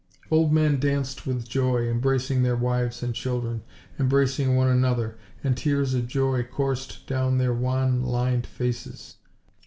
Old men danced with joy, embracing their wives and children, embracing one another, and tears of joy coursed down their wan, lined faces.